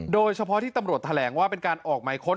โดยเฉพาะที่ตำรวจแถลงว่าเป็นการออกหมายค้น